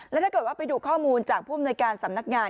แล้วถ้าเกิดว่าไปดูข้อมูลจากผู้อำนวยการสำนักงาน